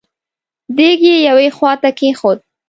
دېګ يې يوې خواته کېښود.